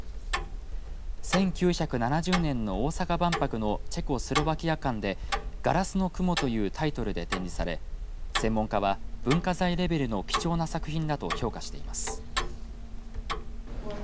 １９７０年の大阪万博のチェコスロバキア館でガラスの雲というタイトルで展示され専門家は文化財レベルの貴重な作品だと評価しています。